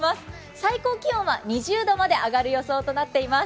最高気温は２０度まで上がる予想となっています。